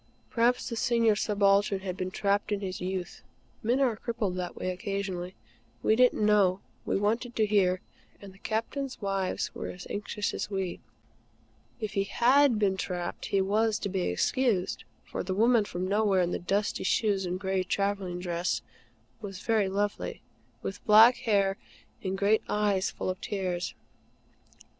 Perhaps the Senior Subaltern had been trapped in his youth. Men are crippled that way occasionally. We didn't know; we wanted to hear; and the Captains' wives were as anxious as we. If he HAD been trapped, he was to be excused; for the woman from nowhere, in the dusty shoes, and gray travelling dress, was very lovely, with black hair and great eyes full of tears.